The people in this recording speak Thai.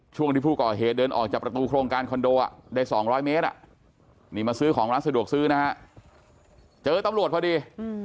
ช่วงที่ผู้ก่อเหตุเดินออกจากประตูโครงการคอนโดได้๒๐๐เมตรนี่มาซื้อของร้านสะดวกซื้อนะฮะเจอตำรวจพอดี